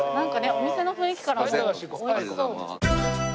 お店の雰囲気からもう美味しそう。